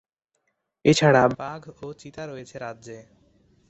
এছাড়া বাঘ ও চিতা রয়েছে রাজ্যে।